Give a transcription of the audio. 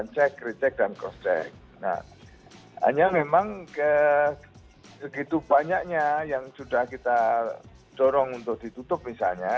corong untuk ditutup misalnya